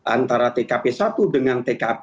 antara tkp satu dengan tkp